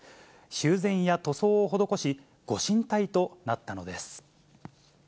修繕や塗装を施し、ご神体となったのです。